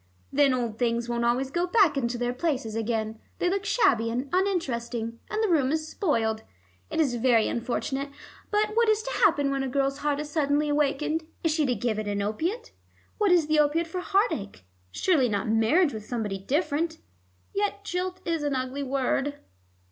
Then old things won't always go back into their places again; they look shabby and uninteresting, and the room is spoiled. It is very unfortunate. But what is to happen when a girl's heart is suddenly awakened? Is she to give it an opiate? What is the opiate for heart ache? Surely not marriage with somebody different. Yet jilt is an ugly word."